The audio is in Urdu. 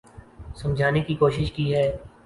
سمجھانے کی کوشش کی ہے